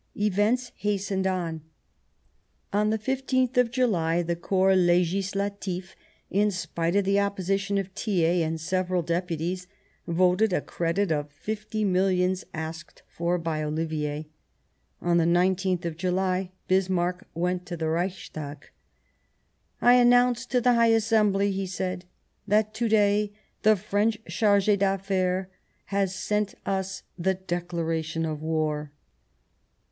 Events hastened on. On the 15th of July the Corps Legislatif, in spite of the opposition of Thiers and several Deputies, voted a credit of fifty millions asked for by Ollivier. On the 19th of July Bis marck went to the Reichstag. " I announce to the High Assembly," he said, " that to day the French Charge d' Affaires has sent us the declaration of war."